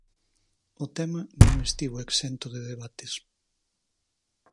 O tema non estivo exento de debates.